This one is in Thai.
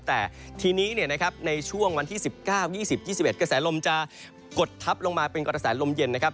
แต่ทีนี้ในช่วงวันที่๑๙๒๐๒๑กระแสลมจะกดทับลงมาเป็นกระแสลมเย็นนะครับ